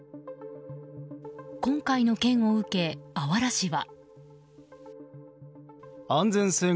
今回の件を受け、あわら市は。